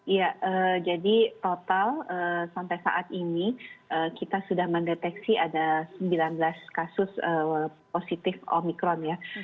iya jadi total sampai saat ini kita sudah mendeteksi ada sembilan belas kasus positif omikron ya